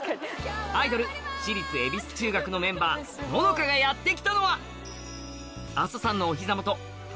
アイドル私立恵比寿中学のメンバーののかがやって来たのは阿蘇山のお膝元